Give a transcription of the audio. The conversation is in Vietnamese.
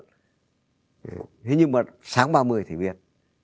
thế nhưng mà sáng ba mươi thì biết